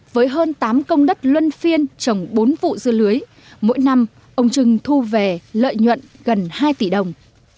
với hơn tám công đất luân phiên trồng bốn vụ dưa lưới mỗi năm ông trưng thu về lợi nhuận gần hai tỷ đồng